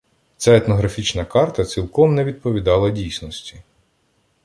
Ця етнографічна карта цілком не відповідала дійсності.